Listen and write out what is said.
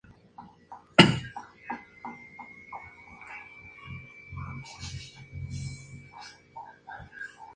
Las valoraciones para la tercera temporada descendieron de las previas temporadas.